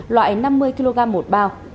loại năm mươi kg một bao